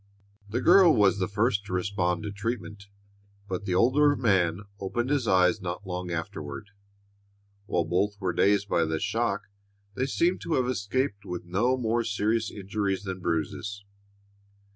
The girl was the first to respond to treatment, but the older man opened his eyes not long afterward. While both were dazed by the shock, they seemed to have escaped with no more serious injuries than bruises.